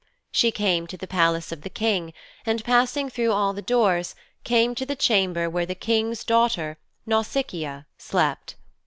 She came to the Palace of the King, and, passing through all the doors, came to the chamber where the King's daughter, Nausicaa slept.